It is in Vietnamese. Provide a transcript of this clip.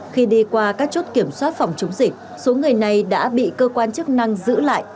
khi đi qua các chốt kiểm soát phòng chống dịch số người này đã bị cơ quan chức năng giữ lại